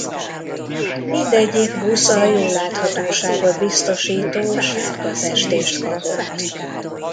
Mindegyik busz a jó láthatóságot biztosító sárga festést kapott.